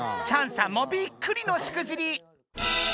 チャンさんもびっくりのしくじり！